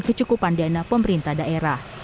kecukupan dana pemerintah daerah